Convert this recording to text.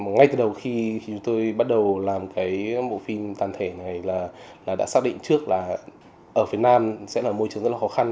ngay từ đầu khi chúng tôi bắt đầu làm cái bộ phim tàn thể này là đã xác định trước là ở phía nam sẽ là môi trường rất là khó khăn